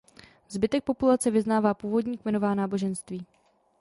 Zbytek populace vyznává původní kmenová náboženství.